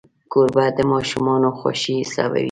کوربه د ماشومانو خوښي حسابوي.